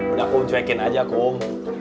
udah aku cuekin aja kok